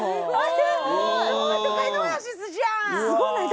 すごない？